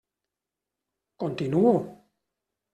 Continuo.